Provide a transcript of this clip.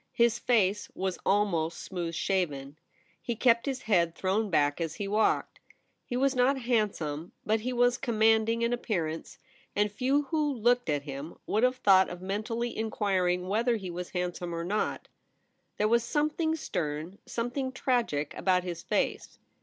His face was almost smooth shaven. He kept his head .thrown back as he walked. He was not handsome, but he was commanding in appear 36 THE REBEL ROSE. ance, and few who looked at him would have thought of mentally Inquiring whether he was handsome or not. There was something stern, something tragic about his face.